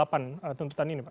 apa tuntutan ini pak